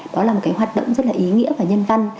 đó là một cái hoạt động rất là ý nghĩa và nhân văn